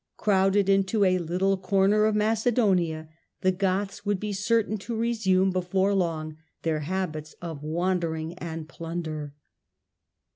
Crowded into a little corner of Macedonia, the Goths would be certain to resume, before long, their habits of wander ing and plunder.